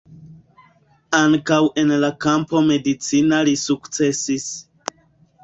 Ankaŭ en la kampo medicina li sukcesis.